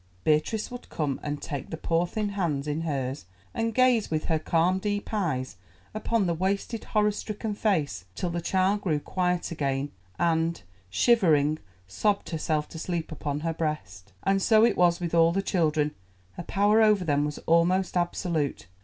Beatrice would come and take the poor thin hands in hers and gaze with her calm deep eyes upon the wasted horror stricken face till the child grew quiet again and, shivering, sobbed herself to sleep upon her breast. And so it was with all the children; her power over them was almost absolute.